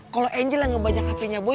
kalo angel yang ngebajak hpnya boy